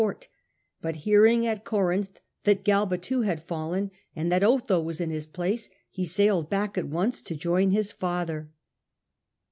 court ; but hearing at Corinth that Galba too had fallen, and that Otho was in his place, he sailed back at once to join his father.